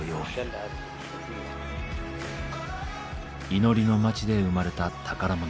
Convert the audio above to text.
祈りの町で生まれた宝物。